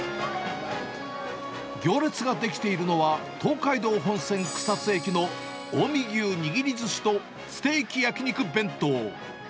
行列が出来ているのは、東海道本線草津駅の近江牛にぎり寿司とステーキ焼肉弁当。